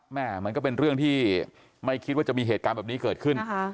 มันก็เป็นเรื่องที่ไม่คิดว่าจะมีเหตุการณ์แบบนี้เกิดขึ้น